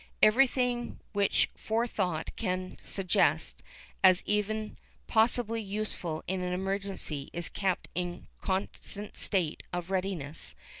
Everything which forethought can suggest as even possibly useful in an emergency is kept in a constant state of readiness.